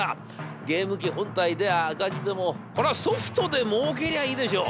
ゲーム機本体では赤字でもソフトで儲けりゃいいでしょう。